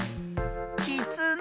きつね。